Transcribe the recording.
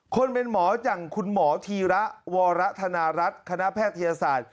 เป็นหมออย่างคุณหมอธีระวรธนารัฐคณะแพทยศาสตร์